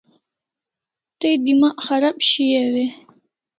Tay demagh kharab shiaw e?